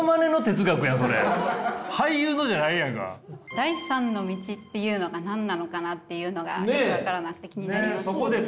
「第３の道」っていうのが何なのかなっていうのが分からなくて気になります。